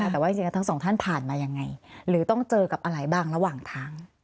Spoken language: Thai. แต่ว่าจริงแล้วทั้งสองท่านผ่านมายังไงหรือต้องเจอกับอะไรบ้างระหว่างทาง